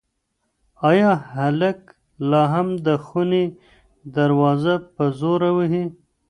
ایا هلک لا هم د خونې دروازه په زور وهي؟